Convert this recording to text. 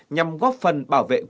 nhằm góp phần bảo vệ